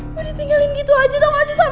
gue ditinggalin gitu aja tau ngasih sama roman